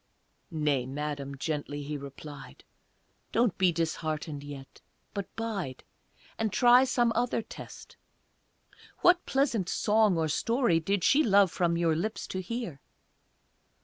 "Nay, Madam," gently he replied, "Don't be disheartened yet, but bide, And try some other test. What pleasant song or story Did she love from your lips to hear?"